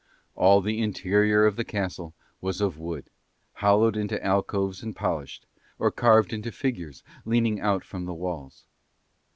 All the interior of the castle was of wood, hollowed into alcoves and polished, or carved into figures leaning out from the walls.